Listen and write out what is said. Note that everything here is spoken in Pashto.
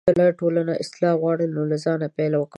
که ټولنه اصلاح غواړې، له ځانه پیل وکړه.